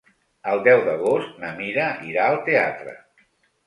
El deu d'agost na Mira irà al teatre.